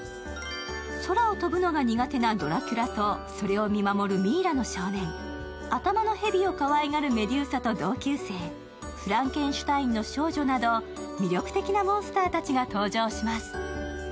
空を飛ぶのが苦手なドラキュラとそれを見守るミイラの少年、頭のへびをかわいがるメデューサと同級生、フランケンシュタインの少女など魅力的な少女たちが登場します。